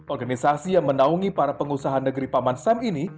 organisasi yang menaungi para pengusaha negeri paman sam ini